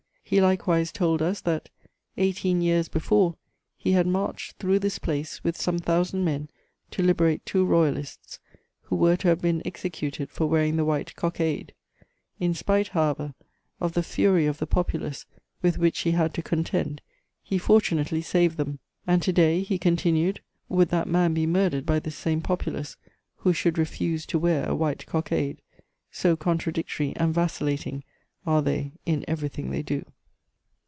He likewise told us that 'eighteen years before, he had marched through this place with some thousand men to liberate two Royalists who were to have been executed for wearing the white cockade. In spite, however, of the fury of the populace with which he had to contend, he fortunately saved them, and to day, he continued, would that man be murdered by this same populace, who should refuse to wear a white cockade, so contradictory and vacillating are they in everything they do.'